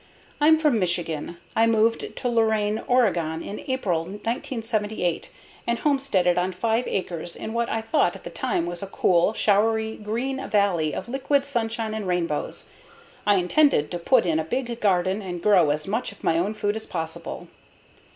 I'm from Michigan. I moved to Lorane, Oregon, in April 1978 and homesteaded on 5 acres in what I thought at the time was a cool, showery green valley of liquid sunshine and rainbows. I intended to put in a big garden and grow as much of my own food as possible.